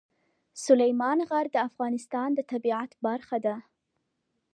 سلیمان غر د افغانستان د طبیعت برخه ده.